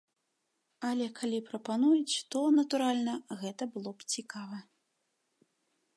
Але калі прапануюць, то, натуральна, гэта было б цікава.